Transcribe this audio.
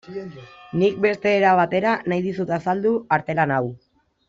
Nik beste era batera nahi dizut azaldu artelan hau.